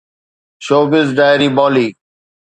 showbiz diary Bali